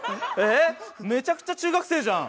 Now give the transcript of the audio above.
めちゃくちゃ中学生じゃん。